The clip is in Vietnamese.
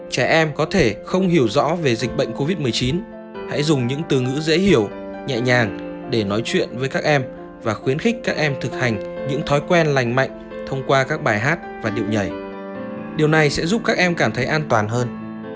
trẻ em có thể không hiểu rõ về dịch bệnh covid một mươi chín hãy dùng những từ ngữ dễ hiểu nhẹ nhàng để nói chuyện với các em và khuyến khích các em thực hành những thói quen lành mạnh thông qua các bài hát và điệu nhảy điều này sẽ giúp các em cảm thấy an toàn hơn